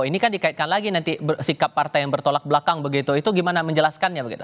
ini kan dikaitkan lagi nanti sikap partai yang bertolak belakang begitu itu gimana menjelaskannya begitu